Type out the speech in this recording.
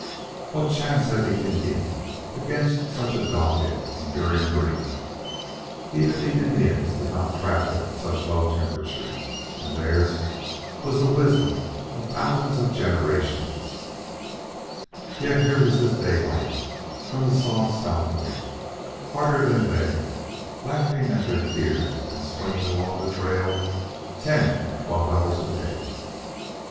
What chance had the Indian against such a dogged, enduring breed? Even the Indians did not travel at such low temperatures, and theirs was the wisdom of thousands of generations; yet here was this Daylight, from the soft Southland, harder than they, laughing at their fears, and swinging along the trail ten and twelve hours a day.